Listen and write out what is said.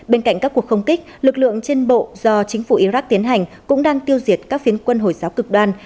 bên cạnh các cuộc không kích lực lượng trên bộ do chính phủ iraq tiến hành cũng đang tiêu diệt các phiến quân hồi giáo cực đoan